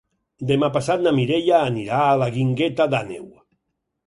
Demà passat na Mireia anirà a la Guingueta d'Àneu.